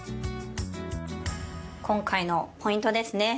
今回のポイントですね。